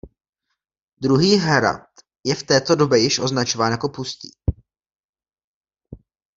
Druhý hrad je v této době již označován jako pustý.